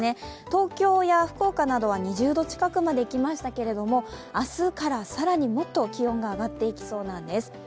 東京や福岡などは２０度近くまでいきましたけれども、明日から更にもっと気温が上がっていきそうなんです。